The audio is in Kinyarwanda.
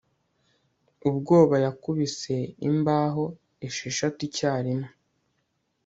Ubwoba yakubise imbaho esheshatu icyarimwe